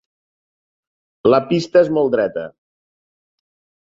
La pista és molt dreta.